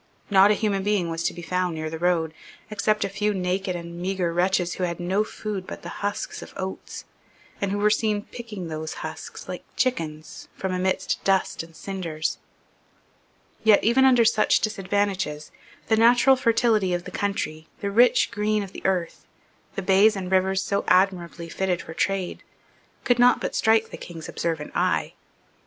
Not a human being was to be found near the road, except a few naked and meagre wretches who had no food but the husks of oats, and who were seen picking those husks, like chickens, from amidst dust and cinders, Yet, even under such disadvantages, the natural fertility of the country, the rich green of the earth, the bays and rivers so admirably fitted for trade, could not but strike the King's observant eye.